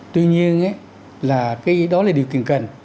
tuy nhiên là cái đó là điều kiện cần